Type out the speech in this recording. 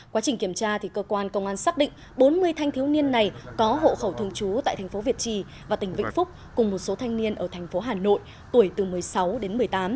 quá trình kiểm tra cơ quan công an xác định bốn mươi thanh thiếu niên này có hộ khẩu thường trú tại thành phố việt trì và tỉnh vĩnh phúc cùng một số thanh niên ở thành phố hà nội tuổi từ một mươi sáu đến một mươi tám